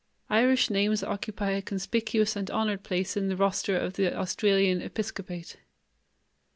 Irish names occupy a conspicuous and honored place in the roster of the Australian episcopate.